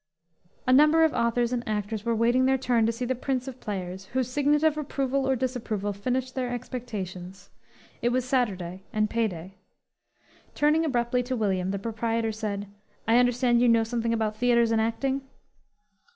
A number of authors and actors were waiting their turn to see the prince of players, whose signet of approval or disapproval finished their expectations. It was Saturday and pay day. Turning abruptly to William, the proprietor said: "I understand you know something about theatres and acting?"